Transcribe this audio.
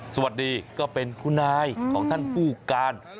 สวัสดีก็เป็นคุณนายของท่านผู้การ